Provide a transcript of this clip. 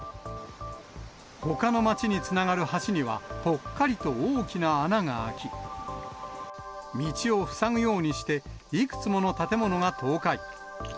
ほかの町につながる橋には、ぽっかりと大きな穴が開き、道を塞ぐようにして、いくつもの建物が倒壊。